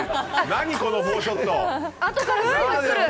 何この４ショット。